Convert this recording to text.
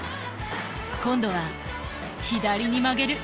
今度は左に曲げる。